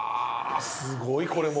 すごいこれも。